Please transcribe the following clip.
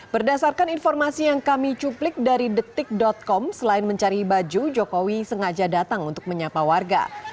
berdasarkan informasi yang kami cuplik dari detik com selain mencari baju jokowi sengaja datang untuk menyapa warga